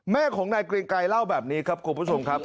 แม่ของนายเกรงไกรเล่าแบบนี้ครับคุณผู้ชมครับ